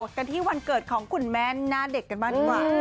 กันที่วันเกิดของคุณแม่หน้าเด็กกันบ้างดีกว่า